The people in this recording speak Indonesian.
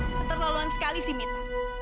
keterlaluan sekali si mita